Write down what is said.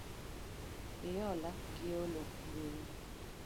Hiola gi olo gowi.